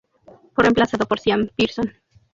Fue reemplazado por Sean Pierson.